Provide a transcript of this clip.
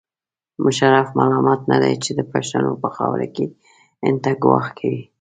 مشرف ملامت نه دی چې د پښتنو په خاوره کې هند ته ګواښ کوي.